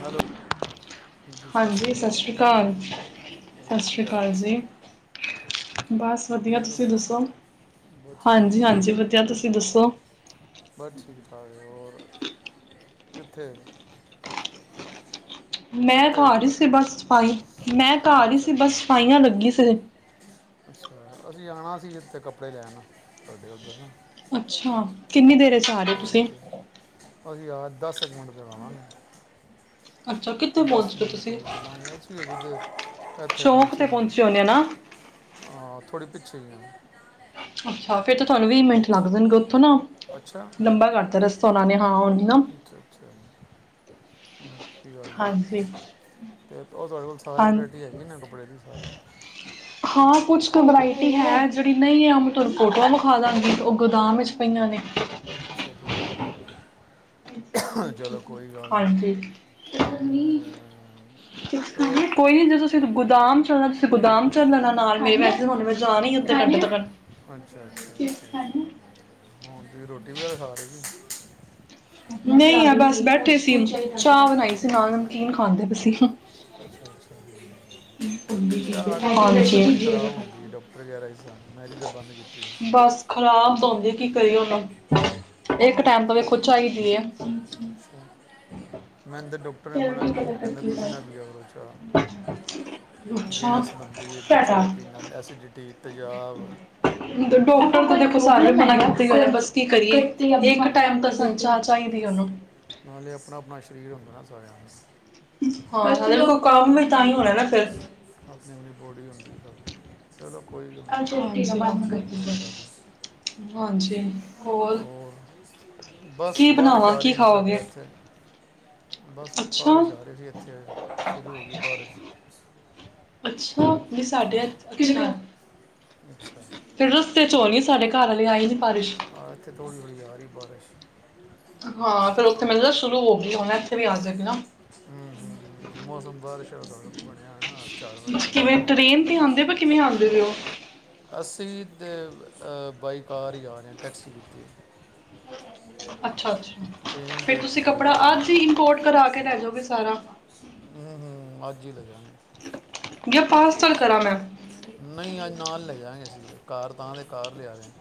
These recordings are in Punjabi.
ਹੈਲੋ ਹਾਂਜੀ ਸਤਿ ਸ਼੍ਰੀ ਅਕਾਲ ਹੋਰ ਸਤਿ ਕੀ ਸ਼੍ਰੀ ਹਾਲ ਅਕਾਲ ਜੀ। ਬਸ ਵਧੀਆਂ ਠੀਕ ਹੋ ਤੁਸੀਂ ਦੱਸੋਂ ਬਸ ਠੀਕ ਹਾਂਜੀ ਠਾਕ ਹਾਂਜੀ ਹੈ ਵਧੀਆਂ ਤੁਸੀਂ ਦੱਸੋਂ। ਬਸ ਠੀਕ ਠਾਕ ਹੋਰ ਕਿੱਥੇ। ਮੈਂ ਕਿੱਥੇ ਘਰ ਹੈਗੇ ਹੀ ਸੀ। ਹੋ ਬਸ ਸਫ਼ਾਈ ਮੈਂ ਘਰ ਹੀ ਅੱਛਾ ਸੀ ਠੀਕ ਬਸ ਸਫ਼ਾਈਆਂ ਹੈ ਲੱਗੀ ਸੀ। ਅੱਛਾ ਅਸੀਂ ਆਣਾ ਸੀ ਕਿਸੀ ਦੇ ਕੱਪੜੇ ਲੈਣ ਤੁਹਾਡੇ ਉੱਧਰ ਨਾਂ। ਅੱਛਾ ਕਿੰਨੀਂ ਦੇਰ। ਫ਼ਿਰ ਸਾਰੇ ਤੁਸੀਂ। 'ਚ। ਅਸੀਂ ਆ ਦਸ ਕ ਮਿੰਟ ਵਿੱਚ ਆਵਾਂਗੇ। ਅੱਛਾ ਕਿੱਥੇ ਦਸ ਪਹੁੰਚ ਕ ਗਏ ਮਿੰਟ ਤੁਸੀਂ ਲਗਦੇ ਅਸੀਂ ਹਜੇ ਤੇ। ਇੱਥੇਂ ਚੌਂਕ ਪਹੁੰਚੇਂ ਤੇ ਪਹੁੰਚੇ ਹੋਣੇ ਆ। ਨਾ ਆ ਥੋੜ੍ਹੀ ਪਿੱਛੇ ਹੀ ਆ। ਅੱਛਾ ਫ਼ਿਰ ਤਾਂ ਤੁਹਾਨੂੰ ਵੀਹ ਮਿੰਟ ਲੱਗ ਜਾਣਗੇ ਉੱਥੋਂ। ਨਾ ਅੱਛਾ। ਲੰਬਾ ਕਰਤਾ ਰਸਤਾ ਉਹਨਾਂ ਨੇ ਹਾਂ ਹੁਣ ਨਾ ਅੱਛਾ ਅੱਛਾ ਕੋਈ ਗੱਲ਼ ਨੀਂ ਹਾਂਜੀ ਤੇ ਉਹ ਸਾਰੀ ਹਾਂ ਵਰਾਇਟੀ ਹੈਗੀ ਇੰਨਾਂ ਕੱਪੜਿਆਂ ਦੀ ਸਾਰੀ। ਹਾਂ ਕੁੱਛ ਕ ਵਰਾਇਟੀ ਹੈਂ। ਜਿਹੜੀ ਨਹੀਂ ਹੈ ਅਸੀਂ ਤੁਹਾਂਨੂੰ ਫ਼ੋਟੋਆਂ ਦਿਖਾ ਦੇਵਾਂਗੇ। ਉਹ ਗੋਦਾਮ ਵਿੱਚ ਪਈਆਂ ਨੇਂ। ਜਲ [inaudible] ਹਾਂਜੀ। ਅਮ, ਚਲੋ ਕੋਈ ਨੀਂ ਜੇ ਤੁਸੀਂ ਗੋਦਾਮ [inaudible] [unintelligible] ਅੱਛਾ ਅੱਛਾ। ਤੁਸੀਂ ਰੋਟੀ ਵਗ਼ੈਰਾ ਖਾ ਰਹੇ। ਨਹੀਂ। ਆਹ ਬਸ ਬੈਠੀਂ ਸੀ। ਚਾਹ ਬਣਾਈ ਸੀ ਨਾਲ਼ ਨਮਕੀਨ ਖਾਂਦੀ ਪਈ‌ ਸੀ। ਅੱਛਾ ਅੱਛਾ ਜੀ। ਇਹ ਪੀਂਦੇ ਪੀਂਦੇ ਭੈਣਾਂ ਮਸ਼ੀਨ ਚ ਨੀਂ ਬੜੀ ਖਰਾਬ ਹੁੰਦੀ ਹੈ ਡਾਕਟਰ ਵਗੈਰਾ ਹੀ ਸਨ ਮੈਂ ਜੀ ਤਾਂ ਬੰਦ ਕੀਤੀ ਸੀ। ਥੱਕਦੀਆਂ [unintelligible] ਬਸ ਖ਼ਰਾਬ ਤਾਂ ਹੁੰਦੀ ਕੀ ਕਰੀਏ ਹੁਣ। ਹੂੰ ਇੱਕ ਟਾਇਮ ਤਾਂ ਵੇਖੋ ਚਾਹੀਦੀ ਏਂ। ਅੱਛਾ ਮੈਨੂੰ ਤਾਂ ਡਾਕਟਰ ਨੇ ਮਨਾ ਕੀਤਾ ਕਹਿੰਦਾ ਤੁਸੀਂ ਨਾ ਪੀਆ ਕਰੋ ਚਾਹ ਅੱਛਾ ਗੈਸ ਬੰਦੀ ਹੈ ਪਤਾ ਚਾਹ ਪੀਣ ਨਾਲ ਐਸਿਡਿਟੀ ਨੀਂ। ਤੇਜ਼ਾਬ ਹੁਣ ਡਾਕਟਰ ਤਾਂ ਦੇਖੋਂ ਸਾਰੇ ਮਨਾਂ ਕਰਦੇਂ। ਹੁਣ ਬਸ ਕੀ ਕਰੀਏ। ਹੋਰ ਜੀ। ਇੱਕ ਟਾਈਮ ਤਾਂ ਸਾਨੂੰ ਚਾਹ ਚਾਹੀਦੀ ਆ ਉਹਨਾਂ ਨੂੰ ਨਾਲ਼ੇ ਆਪਣਾ ਆਪਣਾ ਸ਼ਰੀਰ ਹੁੰਦਾਂ ਏਂ ਨਾ ਸਾਰਿਆਂ ਦਾ। ਹੋਲੀ ਹੋਲੀ ਹੁਣ ਜਦੋਂ ਕੰਮ ਏ ਤਾਂਹੀਂ ਹੋਣਾ ਏਂ ਨਾ ਫ਼ਿਰ। ਆਪਣੀ ਆਪਣੀ ਬੋਡੀ ਹੁੰਦੀ ਏ ਸਭ ਦੀ ਚਲੋ ਕੋਈ ਗੱਲ ਨੀ ਠੀਕ ਐ ਓਕੇ ਕੋਈ ਫਿਰ ਗੱਲ ਨੀ ਹੋਰ ਬਸ ਕੀ ਬਾਰਸ਼ ਬਣਾਵਾਂ ਆ ਕੀ ਰਹੀ ਸੀ ਸਾਡੇ ਖਾਓਗੇ? ਐਥੇ। ਬਸ ਅੱਛਾ, ਬਾਰਿਸ਼ ਆ ਰਹੀ ਸੀ ਐਥੇ ਸ਼ੁਰੂ ਹੋ ਗਈ ਬਾਰਿਸ਼। ਨੀ ਸਾਡੇ ਹਾਂ ਐਥੇ ਅੱਛਾ। ਅੱਛਾ ਫਿਰ ਰਸਤੇ ਚ ਹੋਣੀ ਸਾਡੇ ਘਰ ਹਲੇ ਆਈ ਨ ਆਹ, ਐਥੇ ਥੋੜੀ ਥੋੜੀ ਆ ਰੀ ਏ ਬਾਰਸ਼। ਹਾਂ, ਫੇਰ ਔਥੇ ਮੈਨੂੰ ਲੱਗਦਾ ਸ਼ੁਰੂ ਹੋ ਗੀ ਏ ਹੋਣ ਇੱਥੇ ਵੀ ਆਜੇ ਹੂੰ ਹੂੰ ਹੂੰ, ਮੌਸਮ ਬਾਰਸ਼ ਆਸ ਆਲਾ ਬਣਿਆ ਹੋਇਆ, [unintelligible] ਵਗੈਰਾ ਕਿਵੇਂ ਬਣਿਆ ਟ੍ਰੇਨ ਤੇ ਐ ਆਂਦੇ ਪਏ ਕਿਵੇਂ ਆਂਦੇ ਪਏ ਓ? ਅਸੀਂ ਵੀ ਤੇ ਬਾਈ ਕਾਰ ਈ ਅ ਰਹੇ ਟੈਕਸੀ ਕੀਤੀ ਏ। ਅੱਛਾ ਅੱਛਾ, ਫੇਰ ਤੁਸੀਂ ਭੀੜ ਕੱਪੜਾ ਬੜੀ ਹੁੰਦੀ ਅੱਜ ਹੀ ਹੈ। ਇਮਪੋਰਟ ਕਰਾ ਕੇ ਲੈ ਜੌਗੇ ਸਾਰਾ? ਹੂੰ ਹੂੰ, ਅੱਜ ਈ ਲੈ ਜਾਣੈ। ਜਾਂ ਪਾਰਸਲ ਅੱਛਾ, ਕਰਾਂ ਮੈਂ? ਨਈ ਅੱਜ ਨਾਲ ਲੈ ਜਾ ਤਾਹੀਂ ਅਸੀਂ ਕਾਰ ਤਾਂ ਤੇ ਕਾਰ ਲਿਆ ਰੇ ਹਾਂ।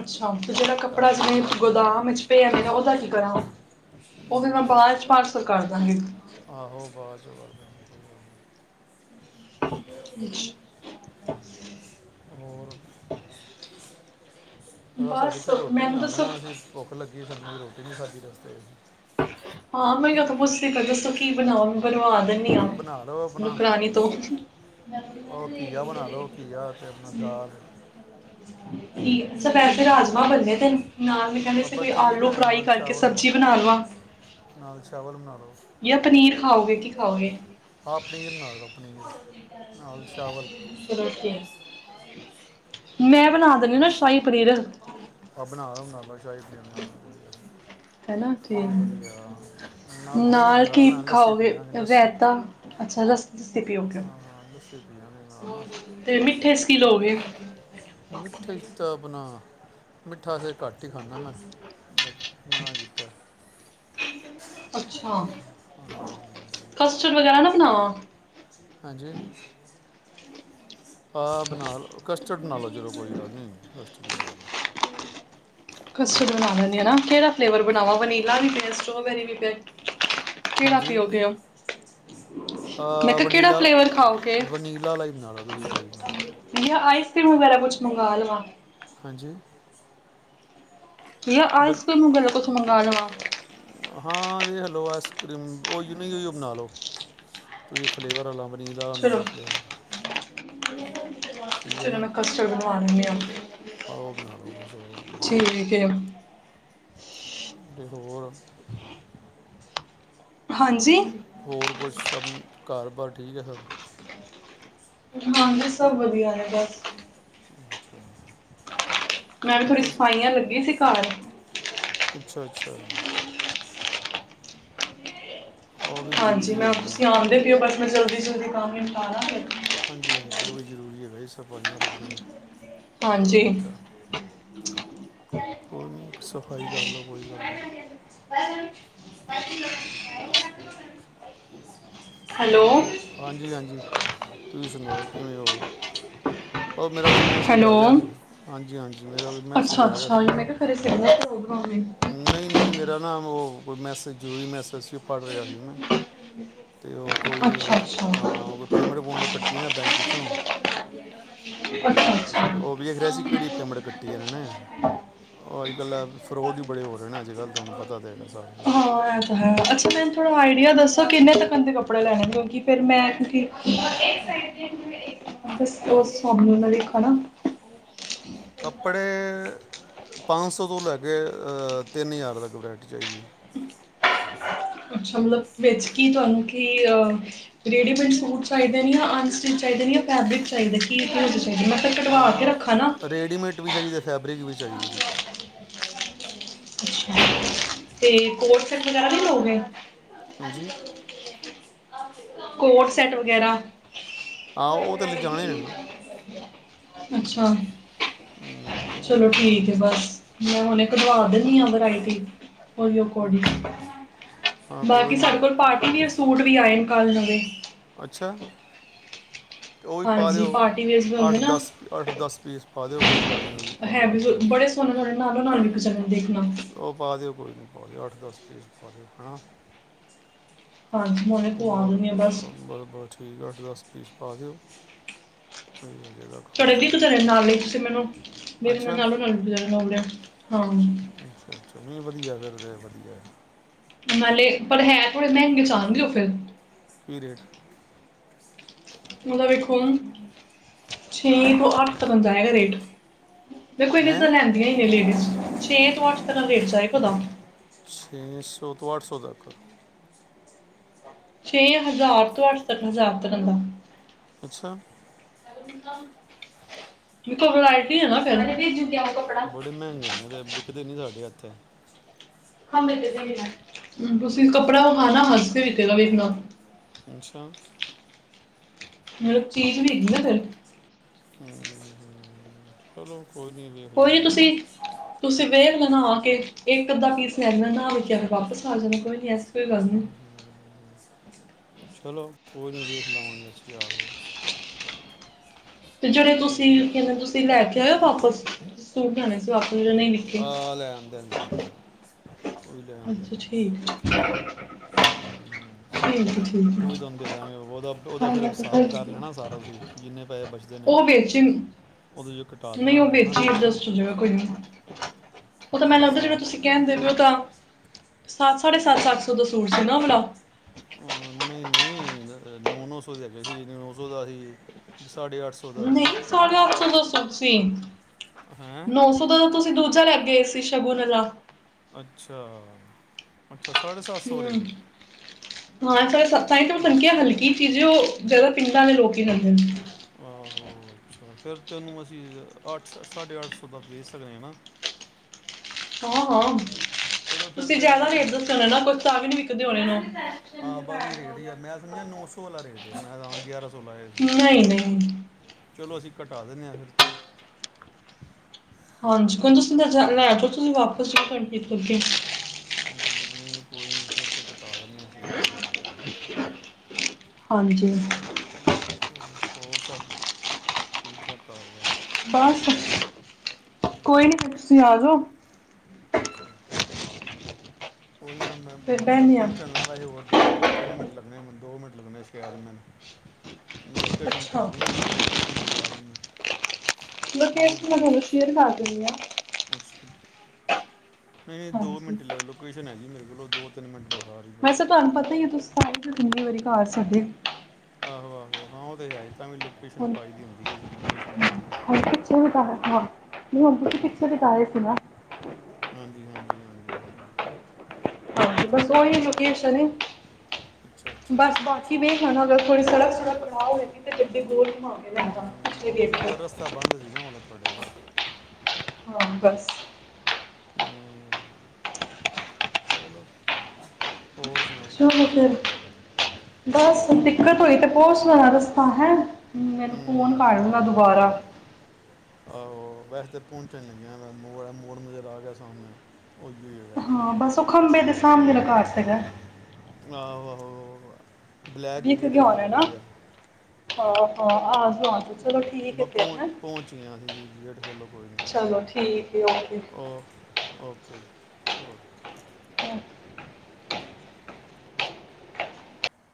ਅੱਛਾ। ਜਜਿਹੜਾ ਕੱਪੜਾ ਕਾਰ ਜੀ ਜਿਵੇ ਰੱਖ ਲਾਂਗੇ ਗੋਦਾਮ ਇਚ ਪਿਆ ਵੇ ਨਾ ਔਦਾ ਕੀ ਕਰਾਂ? ਔ ਤੇ ਮੈਂ ਬਾਅਦ ਚ ਪਾਰਸਲ ਕਰਦਾਂਗੀ। ਆਹੋ, ਬਾਅਦ ਚ ਕਰ ਦੇਣਾ ਕੋਈ ਗੱਲ ਨੀ। [unintelligible] ਹੋਰ, ਥੋੜਾ ਸਾਡੇ ਬਸ ਸਤੇ ਰੋਟੀ ਮੈਨੂੰ ਬਣਾ ਤਾਂ ਲੈਣਾ ਸਭ ਅਸੀ ਭੁੱਖ ਲੱਗੀ ਸਾਨੂੰ ਰੋਟੀ ਨੀ ਖਾਧੀ ਰਸਤੇ ਚ ਅਸੀਂ। ਹਾਂ, ਮੈਂ ਓਹਿਓ ਤੇ ਪੁੱਛਦੀ ਪਾ ਦੱਸੋ ਕੀ ਬਣਾਓ? ਬਣਵਾ ਦਿੰਦੀ ਆ ਆਂ ਬਣਾ ਲਓ ਆਪਣਾ ਨੋਕਰਾਣੀ ਤੋਂ ਉਹ ਕੀਆ ਬਣਾ ਲਓ ਕੀਆ ਤੇ ਆਪਣਾ ਦਾਲ ਠੀਕ ਅੱਛਾ ਵੈਸੇ ਰਾਜਮਾਂ ਬਣੇ ਦੇ ਨਾਲ ਮੈਂ ਕਹਿਦੇ ਸੀ ਅੱਬਾ ਬਈ ਠੀਕ ਆਲੂ ਹੈ ਫਰਾਈ ਨਾਲ ਕਰਕੇ ਚਾਵਲ ਸਬਜ਼ੀ ਬਣਾ ਲਵਾਂ। ਨਾਲ ਚਾਵਲ ਬਣਾਲੋ। ਗੇ ਕਿ ਖਾਓਗੇ? ਆ ਪਨੀਰ ਬਣਾਲੋ ਪਨੀਰ, ਨਾਲ ਚਾਵਲ। ਚਲੋ ਠੀਕ ਮੈਂ ਬਣਾ ਦਿੰਣੀ ਨਾ ਸ਼ਾਹੀ ਪਨੀਰ। ਆ ਬਣਾ ਲਓ ਬਣਾ ਲਓ ਸ਼ਾਹੀ ਪਨੀਰ ਬਣਾ ਲਓ ਕੋਈ ਗੱਲ ਨਹੀਂ। ਹੈਨਾ ਕਿ, ਕੋਈ ਵਧੀਆ ਦਹੀਂ ਨਾਲ ਮੰਗਾ ਕਿ ਲੈਣਾ ਲੱਸੀ ਖਾਓਗੇ ਪੀਾਂਗੇ ਲੱਸੀ ਰੈਤਾ ਅੱਛਾ ਲਸ ਪੀਓਗੇ, ਹਾਂ ਹਾਂ ਲੱਸੀ ਪੀਾਂਗੇ ਨਾਲ ਨਾ ਤੇ ਮਿੱਠੇ ਚ ਕੀ ਲੋਗੇ? ਮਿੱਠੇ 'ਚ ਤਾਂ ਆਪਣਾ ਮਿੱਠਾ ਅਸੇ ਘੱਟ ਈ ਖਾਣਾਂ ਮੈਂ ਡਾਕਟਰ ਨੇ ਮਨਾ ਕੀਤੈ। ਅੱਛਾ, ਕਸਟਰਡ ਵਗੈਰਾ ਨਾ ਬ ਹਾਂ। ਹਾਂਜੀ। ਹਾਂ, ਬਣਾ ਲੋ ਕਸਟਡ ਨਾਲ ਹੀ ਬਣਾ ਲਓ ਜੀ। ਚਲੋ ਕੋਈ ਗੱਲ ਨਹੀਂ ਕਸਟਡ ਬਣਾ ਲਓ। ਕਸਟਡ ਬਣਾ ਲੈਂਦੇ ਹੈ ਨਾ ਕਿਹੜਾ ਫਲੇਵਰ ਬਣਾਵਾਂ ਵਨੀਲਾ ਵੀ ਪਿਆ ਸਟ੍ਰੋਬੈਰੀ ਵੀ ਪਏ। ਹਾਂਜੀ ਮੈਂ ਅਅ ਕਿਹਾ ਕਿਹੜਾ ਵਨੀਲਾ ਫਲੇਵਰ ਖਾਓਗੇ? ਵਨੀਲਾ ਹੀ ਬਣਾ ਲਓ ਤੁਸੀਂ ਕੋਈ ਗੱਲ ਨਹੀਂ ਤੈਨੂੰ ਪਹਿਲਾਂ ਕੁਛ ਮੰਗਵਾ ਲਵਾਂ ਹਾਂਜੀ ਯਾ ਬਨ- ਆਈਸ ਕਰ੍ਰੀਮ ਵਗੈਰਾ ਕੁਛ ਮੰਗਵਾ ਲਵਾਂ ਹਮ ਉਹ ਹੀ ਬਣਾਲੋ ਫਲੇਵਰ ਵਾਲਾ ਨੀਲਾ ਚਲੋ ਫਲੇਵਰ ਠੀਕ ਹੈ ਚਲੋ ਨਾ ਮੈਂ ਕਸਟਰਡ ਬਣਵਾ ਲੈਂਦੀ ਆ ਆਹ ਉਹ ਬਣਾ ਲਓ ਠੀਕ ਫਿਰ ਹੋਰ ਹਾਂਜੀ ਹੋਰ ਕੁਛ ਸਭ ਘਰ ਬਾਰ ਠੀਕ ਹੈ ਸਭ ਹਾਂਜੀ ਸਭ ਵਧੀਆ ਨੇ ਬਸ [inaudible] ਮੈਂ ਵੀ ਤੇ ਥੋੜ੍ਹੀ ਤੁਸੀਂ ਸਫਾਈਆਂ ਲੱਗੀ ਸੀ ਘਰ [inaudible] ਅੱਛਾ ਅੱਛਾ ਉਹ ਵੀ ਹਾਂਜੀ ਜ਼ਰੂਰੀ ਮੈ ਹੈਗੀਆਂ ਨੇ ਤੁਸੀਂ ਆਉਂਦੇ ਪਏ ਹੋ ਬਸ ਮੈਂ ਜਲਦੀ ਉਹਦੇ ਕਮੈਂਟ ਪਾਦਾਂ ਹਾਂਜੀ ਹਾਂਜੀ ਉਹ ਵੀ ਜ਼ਰੂਰੀ ਹੈ ਬਈ ਸਫਾਈਆਂ ਤੋਂ ਬਿਨਾਂ ਬੜਾ ਹਾਂਜੀ। ਔਖਾ ਕੋਈ ਨਹੀ ਕਿ ਸੀ ਸਫਾਈ ਕਰਲੋ ਹੋਈ ਗੱਲ ਨਹੀਂ [inaudible] ਹੈਲੋ। ਹਾਂਜੀ ਹਾਂਜੀ ਤੁਸੀਂ ਸੁਣਾਓ ਕਿਵੇਂ ਹੋ ਉਹ ਮੇਰਾ ਕੋਈ ਮੈਸੇਜ ਆ ਹੈਲੋ। ਗਿਆ ਸੀ ਹਾਂਜੀ ਹਾਂਜੀ ਮੇਰਾ ਕੋਈ ਮੈਸੇਜ ਅੱਛਾ ਆ ਗਿਆ ਅੱਛਾ ਸੀ ਮੈਂ ਕਿਹਾ ਘਰੇ ਸਿਗਨਲ ਪ੍ਰੋਬਲਮ ਹੈ। ਨਹੀਂ ਨਹੀਂ ਮੇਰਾ ਨਾਮ ਉਹ ਕੋਈ ਮੈਸੇਜ ਜ਼ਰੂਰੀ ਮੈਸੇਜ ਸੀ ਪੜ ਰਿਹਾ ਸੀ ਮੈਂ ਅਤੇ ਉਹ ਕੋਈ ਅੱਛਾ ਅੱਛਾ। ਪੇਮੈਂਟ ਪੂਮੈਂਟ‌ ਕੱਟੀ ਇਹ ਆ ਬੈਂਕ ਵਿੱਚ ਹੂੰ [inaudible] ਉਹ ਵੇਖ ਰਹੇ ਸੀ ਘੜੀ ਤੇ ਮੁੜ ਕੱਟੀ ਤੁਹਾਨੂੰ ਪਤਾ ਦੇ ਸਾਰੇ ਇੰਡੀਆ ਦੱਸੋ ਕਿੰਨੇ ਸਕਣ ਤੇ ਕੱਪੜੇ ਲੈਣੇ ਕਿਉਂਕਿ ਫਿਰ ਮੈਂ ਕੱਪੜੇ ਪੰਜ ਸੌ ਤੋਂ ਲੈ ਕੇ ਤਿੰਨ ਹਜ਼ਾਰ ਤੱਕ ਵਰੰਟੀ ਚਾਹੀਦੀ ਹੈ। ਅੱਛਾ ਮਤਲਬ ਵਿੱਚ ਕੀ ਤੁਹਾਨੂੰ ਕੀ ਰੇਡੀਮੇਡ ਸੂਟ ਚਾਹੀਦੇ ਨੇ ਜਾਂ ਅਨਸਟਿਚ ਚਾਹੀਦੇ ਨੇ ਜਾਂ ਫੈਬਰਿਕ ਚਾਹੀਦੇ ਕੀ, ਚਾਹੀਦਾ ਮੈਂ ਤਾਂ ਕਢਵਾ ਕੇ ਆ ਰੱਖਾਂ ਨਾ ਰੈਡੀਮੇਟ ਵੀ ਚਾਹੀਦੀ ਫੈਬਰਿਕ ਵੀ ਚਾਹੀਦੀ [unintelligible] ਤੇ ਕੋਰਸ ਵਗੈਰਾ ਵੀ ਹੋ ਗਏ, ਹਾਂਜੀ [unintelligible] ਕੋਡ ਸੈਟ ਵਗੈਰਾ, ਹਾਂ ਉਹ ਤਾਂ ਲਿਜਾਣੇ ਆ ਨਾ, ਅੱਛਾ। ਉਹ ਚਲੋ ਲਿਜਾਣੇ ਠੀਕ ਹੈ ਨੇ ਬਸ। ਮੈਂ ਹੁਣੇ ਬਣਵਾ ਦਿੰਨੀ ਆ ਵਰਾਇਟੀ, ਹਾਂ ਬਾਕੀ ਕੋਈ ਨਹੀਂ ਸਾਡੇ ਕੋਲ ਪਾਰਟੀ ਨੇ ਸੂਟ ਕੱਲ ਨਹੀਂ, ਅੱਛਾ। ਉਹ ਵੀ ਪਾ ਹਾਂਜੀ ਦਿਓ ਪਾਰਟੀ ਵੇਅਰਸ ਵੀ ਅੱਠ ਹੁੰਦੇ ਨਾ ਦਸ ਅੱਠ ਦਸ ਪੇਜ, ਪਾ ਦਿਓ, ਕੋਈ ਗੱਲ ਨਹੀਂ ਤੁਹਾਡੇ ਹੈ ਵੀ ਵਾਸਤੇ, ਬੜੇ [unintelligible] ਉਹ ਪਾ ਦਿਓ ਕੋਈ ਹੋਣੇ ਅੱਠ ਦਸ ਪੇਜ, ਹਾਂ। ਹਾਂ ਹੁਣੇ ਪਵਾ ਦਿੰਨੀ ਆ ਬਸ। ਠੀਕ ਆ ਅੱਠ ਦਸ ਪੀਸ ਪਾ ਦਿਓ। ਜਾਏਗਾ ਕੰਮ ਸਹੀ ਅੱਛਾ [unintelligible] ਅੱਛਾ, ਨਹੀਂ ਵਧੀਆ। ਫਿਰਦੇ ਵਧੀਆ। ਨਾਲੇ ਪਰ ਹੈ ਥੋੜੇ ਮਹਿੰਗੇ ਚ ਆਣਗੇ ਉਹ ਫਿਰ। ਕੀ ਰੇਟ। ਉਹਦਾ ਵੇਖੋ। ਛੇ ਤੋਂ ਅੱਠ ਤੱਕ ਜਾਏ ਗਾ ਰੇਟ। ਦੇਖੋ ਇਹਨੇ ਤਾਂ ਹੈਂ ਲੈਂਦੀਆਂ ਹੀ ਨੇ, ਲੇਡੀਜ਼ ਛੇ ਤੋਂ ਅੱਠ ਤਰ੍ਹਾਂ ਲੇਟ ਜਾਏ। ਛੇ ਸੌ ਤੋਂ ਅੱਠ [unintelligible] ਤੱਕ। ਛੇ ਹਜ਼ਾਰ ਤੋਂ ਅੱਠ ਹਜ਼ਾਰ ਤੱਕ ਦਾ। ਅੱਛਾ। ਵਰਾਇਟੀ ਹੈ। ਨਾ ਫਿਰ। ਬੜੇ ਮਹਿੰਗੇ ਨੇ ਤੇ ਵਿਕਦੇ ਨੀ ਸਾਡੇ ਇੱਥੇ ਅਤੇ [inaudible] ਅੱਛਾ ਮਤਲਬ ਚੀਜ਼ ਵੀ ਹੈਗੀ ਨਾ ਫਿਰ ਹਮ ਹਚਲੋ। ਕੋਈ ਨੀ ਤੁਸੀਂ -ਤੁਸੀਂ ਵੇਖ ਨ ਕੇ ਇੱਕ ਅੱਧਾ ਪੀਸ ਲੈ ਨਹਾ ਦੇ ਕੇਿਰ ਵਾਪਸ ਆ ਜਾਵੇ ਚਲੋ ਕੋਈ ਨਹੀਂ ਵੇਖ ਲਵਾ ਗੇ [inaudible] ਤੇ ਜਿਹੜੇ ਤੁਸੀਂ ਕਹਿੰਦੇ, ਤੁਸੀਂ ਲੈ ਕੇ ਵਾਪਸ ਸੂਟ ਜਾਣਾ ਸੀ ਤਜ ਨਹੀਂ ਲਿਖੀ ਆ ਲੈ ਆਂਦੇ ਨੇ, ਲੈ ਆਂਦੇ ਨੇ, ਉਹ ਵੀ ਲੈ ਆਂਦੇ ਅੱਛਾ ਨੇ ਠੀਕ ਹਮ ਠੀਕ ਹੈ ਠੀਕ ਉਹ ਵੀ ਹੈ ਤੁਹਾਨੂੰ ਦੇ ਦਾਂਗੇ ਉਹਦਾ- ਉਹਦਾ ਫਿਰ ਹਿਸਾਬ ਕਰ ਲੈਣਾ ਸਾਰਾ ਤੁਸੀਂ ਜਿੰਨੇ ਪੈਸੇ ਬਚਦੇ ਨੇ ਉਹ ਵੇਚੀ [inaudible] ਨਹੀਂ ਉਹ ਫਿਰ ਹੈ ਵੇ ਨਾ ਠੀਕ ਹੈ ਨਾ ਅਡਜਸਟ ਹੋ ਜਾਏਗਾ ਕੋਈ ਨਹੀਂ। ਉਹ ਤਾਂ ਹਾਂ, ਮੈਨੂੰ ਲੱਗਦਾ ਜਿਹੜ ਹਿਸਾਬ ਤੁਸੀ ਤਾਂ- ਕਹਿਣਦੇ ਹੋ ਤਾਂ ਸੱਤ ਸਾਢੇ ਸੱਤ, ਅੱਤ ਸੌ ਦਾ ਸੂਟ ਸੀ ਨਾ ਹਣਾ ਅਹ, ਨਹੀਂ ਨਹੀਂ ਨੌ -ਨੌ ਸੌ ਦੇ ਅਗੇ ਸੀ ਨੌ ਸੌ ਦਾ ਅ ਸੀ ਸਾਢੇ ਅੱਠ ਸੌ ਦਾ ਸੀ ਨਹੀਂ ਸੋਣਿਆ ਚਲੋ ਸੌ ਤਨ ਹੈਂ ਨੌ ਸੌ ਦਾ ਤੁਸੀਂ ਦੂਜਾ ਲੈ ਗਏ ਤੇ ਸ਼ਗੁਨਲਾ ਅੱਛਾ ਅ ਹਮ ਹਾਂ ਚ ਤਾਂ ਤਾਂ ਮੈਂ ਸਮਕਿਆ ਅੱਛਾ ਹਲਕੀ ਚੀਜ਼ ਉਹ ਜ਼ਿਆਦਾ ਪਿੰਡਾਂ ਨੇ ਲੋਕ ਕੀ ਕਰ ਆਹੋ ਅੱਛਾ ਫਿਰ ਤੈਨੂੰ ਅਸੀਂ ਅੱਠ ਸੌ ਦਾ ਵੇਚ ਸਕਦੇ ਆ ਨਾ ਚਲੋ [unintelligible] ਫਿਰ ਤੁਸੀਂ ਤੇ ਜਿਆਦਾ ਇੱਕ ਵੀ ਦੱਸੋ ਨਾ ਕੁਝ ਤਾਂ ਵੀ ਨਹੀਂ ਵਿਕਦੇ ਹੋਣੇ ਨੂੰ ਹਾਂ ਬਸ ਇਹ ਰੇਟ ਹੀ ਆ ਮੈਂ ਸਮਝਿਆ ਨੌ ਸੌ ਵਾਲਾ ਰੇਟ ਮੈਂ ਤਾਂ ਯਾਰ ਮੈਂ ਲਆ ਸੀ ਚਲੋ ਅਸੀਂ ਘਟਾ ਦਿੰਦੇ ਹ ਫਿਰ ਹਾਂਜੀ ਕੁਣ ਤੁਸੀਂ ਲੈ ਘਟਾ ਦਿੰਦੇ ਜਾਓ ਹਾਂ। ਤੁਸੀਂ ਵਾਪਸ [unintelligible] ਨਹੀਂ ਕੋਈ ਨੀਂ ਫਿਰ ਤੇ [inaudible] ਐ ਸੀ ਕੋਈ ਗੱਲ ਨਹੀਂ ਹਾਂਜੀ [unintelligible] ਹੋਰ ਸਭ ਠੀਕ ਠਾਕ ਘਰ ਬਸ ਕੋਈ ਨੀਂ ਫਿਰ ਤੁਸੀਂ ਆ ਜਾਓ। [unintelligible] ਉਹ ਮੈਂ ਮੈਂ ਫਿਰ ਹੁਣ ਮੈਂ ਬਹਿਨੇ ਆ ਪਹੁੰਚ ਚੱਲਣਾ ਵੈਸੇ ਹੋਰ ਦੋ ਅਤੇ ਤਿੰਨ ਮਿੰਟ ਲੱਗਣੇ ਦੋ ਮਿੰਟ ਲੱਗਣੇ ਸੈ਼ਦ ਮੈਨ ਲੋਕੇਸ਼ਨ ਅੱਛਾ ਪੇਜੀ ਤੁਸੀਂ ਲੋਕੇਸ਼ਨ ਤੇ ਜਾ ਰਿਹਾ ਮੈਂ ਮਤਲਬ ਲੋਕੇਸ਼ਨ ਮੈਂ ਦੋ- ਤੁਹਾਨੂੰ ਸ਼ੇਅਰ ਕਰ ਦਿੰਦੀ ਆਂ। ਅੱਛਾ। ਨਈਂ ਨਈਂ ਦੋ ਹਾਂਜੀ ਮਿੰਟ ਲ ਲੋਕੇਸ਼ਨ ਹੈ ਗੀ ਮੇਰੇ ਕੋ ਬਾ ਦੋ ਤਿੰਨ ਮਿੰਟ ਵਾ ਵੈਸੇ ਤੁਆਨੂੰ ਪਤਾ ਈ ਐ, ਤੁਸੀਂ ਤਾਂ ਆਏ ਕਿੰਨੀਂ ਵਾਰੀ ਘਰ ਸੱਦੇ। ਆਹੋ ਆਹੋ ਹਾਂ ਤੇ ਹੈਏ। ਤਾਂ ਵੀ ਲੋਕੇਸ਼ਨ ਪਾਈ ਦੀ ਹੁੰਦੀ ਐ, ਜੀ ਲੋ [unintelligible] ਹੁ ਪਿੱਛੇ ਬਿਤਾ ਹਾਂ, ਨਹੀਂ ਹੁਣ ਤੁਸੀਂ ਪਿੱਛੇ ਬਿਤਾ ਰਹੇ ਸੀ ਨਾ। ਹਾਂਜੀ ਹਾਂਜੀ ਹਾਂਜੀ, ਹਾਂਜੀ। ਬਸ ਉਹੀ ਆਏ, ਲੋਕੇਸ਼ਨ, ਅੱਛਾ ਅੱਛਾ ਬਸ ਅੱਛਾ ਬਾਕੀ ਅੱਛਾ ਵੀ ਖਣਾ ਅਗਰ ਸੜਕ ਸੁੜਕ ਪੜਾਅ ਹੋਵੇਗੀ ਤੇ ਗੱਡੇ ਗੋਲ ਘਮਾ ਕੇ ਲੈ ਜਾ ਹਮ, ਪਿਛਲੀ ਉਹ ਗੇਟ ਤੇ ਵਾਰ ਰਸਤਾ ਬੰਦ ਸੀ ਨਾ ਉਹਦਾ ਤੁਹਾਡੇ ਵਾਲਾ [unintelligible] ਹਾਂ, ਬਸ ਹਮ, ਚਲੋ ਹੋਰ ਸੁਣਾਓ ਚਲੋ ਫਿਰ ਬਸ ਦਿੱਕਤ ਹੋਈ ਤੇ ਬਹੁਤ ਸੋਹਣਾ ਰਸਤਾ ਹੈ। ਮੈਨੂੰ ਹਮ, ਹਮ, ਫੋਨ ਕਰ ਲੂਂਗਾ ਦੁਬਾਰਾ ਆਹ ਵੈਸੇ ਪਹੁੰਚਣ ਲਗਿਆ ਮੋੜ, ਮੋੜ ਨਜ਼ਰ ਆ ਗਿਆ ਸਾਹਮਣੇ ਹੀ ਹੈਗਾ ਹਾਂ, ਬਸ ਉਹ ਖੰਭੇ ਦੇ ਸਾਮਣੇ ਮੇਰਾ ਘਰ ਸਿਘੈ ਆਹੋ, ਆਹੋ ਬਲੈਕ ਵਿਕ ਗੇਟ ਗਿਆ ਕਿਹੜਾ ਹੋਣਾ ਨਾ ਵੱਡਾ ਜਿਹਾ ਹਾਂ, ਹਾਂ ਆ ਜਾਓ ਆ ਜਾਓ ਚਲੋ ਠੀਕ ਬ ਹੈ ਫਿਰ ਪਹੁੰਚ ਹੈ ਪਹੁੰਚ ਗਿਆ, ਹਾਂ ਅਸੀਂ ਜੀ ਗੇਟ ਖੋਲੋ ਕੋਈ ਨਹੀਂ, ਚਲੋ ਠੀਕ ਹੈ ਓਕੇ ਓ ਓਕੇ ਜੀ। ਓਕ